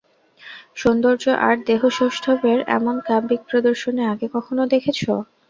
সৌন্দর্য আর দেহসৌষ্ঠবের এমন কাব্যিক প্রদর্শনী আগে কখনো দেখেছ?